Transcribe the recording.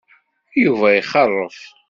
Yuba ixeṛṛef.